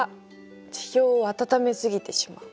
地表を暖め過ぎてしまう。